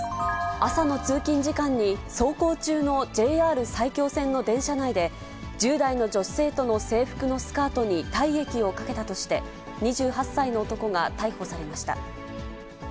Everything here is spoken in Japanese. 朝の通勤時間に、走行中のＪＲ埼京線の電車内で、１０代の女子生徒の制服のスカートに体液をかけたとして、２８歳の男が逮捕されました。